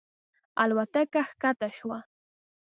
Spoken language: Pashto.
الوتکه کښته شوه.